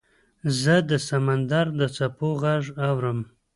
زه د سمندر د څپو غږ اورم .